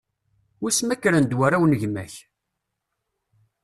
Wiss ma kkren-d warraw n gma-k?